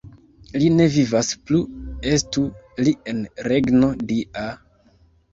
Li ne vivas plu, estu li en regno Dia!